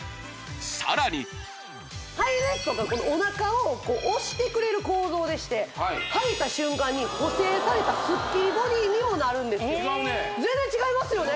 さらにハイウエストがおなかを押してくれる構造でしてはいた瞬間に補整されたすっきりボディにもなるんです違うね全然違いますよね